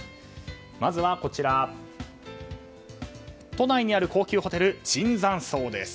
まずは、都内にある高級ホテル椿山荘です。